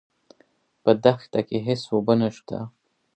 په دښته کې هېڅ اوبه نشته.